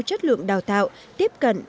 chất lượng đào tạo tiếp cận